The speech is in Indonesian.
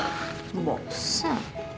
ah bu bau bursa